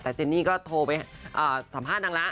แต่เจนนี่ก็โทรไปสัมภาษณ์นางร้าน